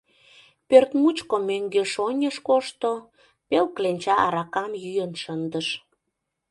Пӧрт мучко мӧҥгеш-оньыш кошто, пел кленча аракам йӱын шындыш.